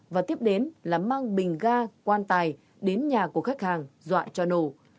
và tiếp đến là mang bình ga quan tài đến nhà của khách hàng dọa cho nổ